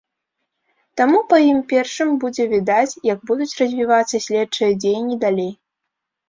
Таму па ім першым будзе відаць, як будуць развівацца следчыя дзеянні далей.